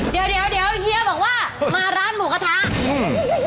เดี๋ยวเฮียบอกว่ามาร้านหมูกระทะ